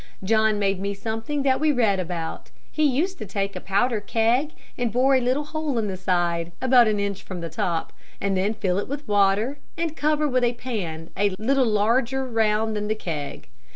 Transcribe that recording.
John made me something that we read about. He used to take a powder keg and bore a little hole in the side, about an inch from the top, then fill it with water, and cover with a pan a little larger round than the keg.